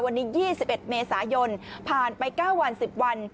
วันนี้๒๑เมษายนผ่านไป๙วัน๑๐วัน